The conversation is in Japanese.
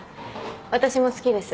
私も好きです。